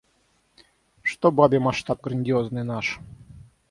Что бабе масштаб грандиозный наш?!